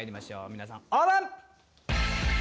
皆さんオープン。